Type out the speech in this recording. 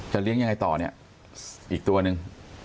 เลี้ยงยังไงต่อเนี่ยอีกตัวหนึ่ง